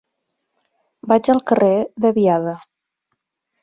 Vaig al carrer de Biada.